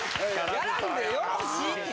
やらんでよろしいって。